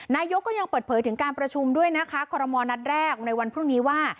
นายกก็ยังเปิดเผยถึงการประชุมด้วยนะคะคอรมอลนัดแรกในวันพรุ่งนี้ว่า